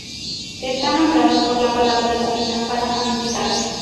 Está nombrado por la palabra latina para "amistad".